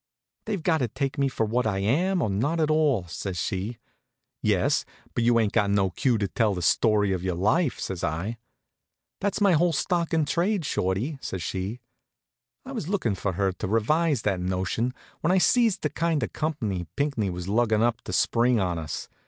"They've got to take me for what I am, or not at all," says she. "Yes, but you ain't got no cue to tell the story of your life," says I. "That's my whole stock in trade, Shorty," says she. I was lookin' for her to revise that notion when I sees the kind of company Pinckney was luggin' up to spring on us.